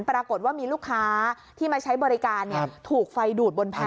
ปรากฏว่ามีลูกค้าที่มาใช้บริการถูกไฟดูดบนแพร่